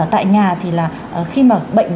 tại nhà thì là khi mà bệnh